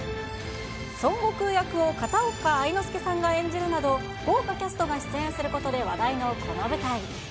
孫悟空役を片岡愛之助さんが演じるなど、豪華キャストが出演することで話題のこの舞台。